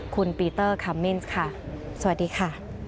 คุณปีเตอร์คัมมินส์ค่ะสวัสดีค่ะ